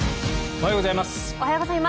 おはようございます。